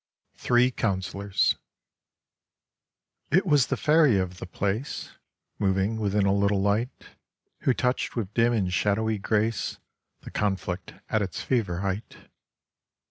53 If Cmwtfellurrf IT was the fairy of the place, Moving within a little light, Who touched with dim and shadowy grace The conflict at its fever height.